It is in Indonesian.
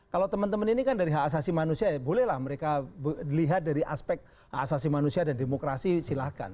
kalau teman teman ini kan dari hak asasi manusia ya bolehlah mereka dilihat dari aspek asasi manusia dan demokrasi silahkan